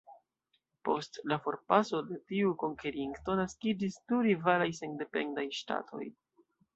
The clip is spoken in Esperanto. Post la forpaso de tiu konkerinto, naskiĝis du rivalaj sendependaj ŝtatoj.